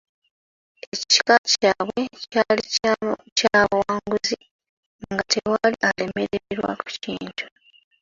Ekika kyabwe kyali kya bawanguzi, nga tewali alemererwa kintu.